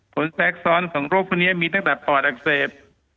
แทรกซ้อนของโรคพวกนี้มีตั้งแต่ปอดอักเสบ